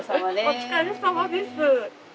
お疲れさまです。